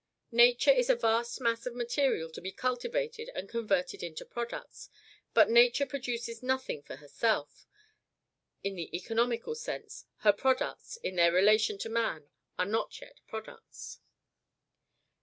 Nature is a vast mass of material to be cultivated and converted into products; but Nature produces nothing for herself: in the economical sense, her products, in their relation to man, are not yet products.